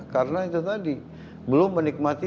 karena itu tadi belum menikmati